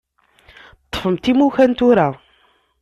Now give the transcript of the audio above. Ṭṭfemt imukan tura.